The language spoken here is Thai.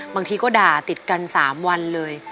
บางทีก็ด่าติดกัน๓วันเลย